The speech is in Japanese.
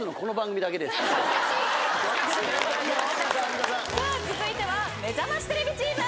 さあ続いてはめざましテレビチーム！